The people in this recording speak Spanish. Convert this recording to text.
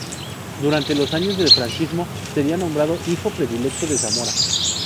Durante los años del franquismo sería nombrado hijo predilecto de Zamora.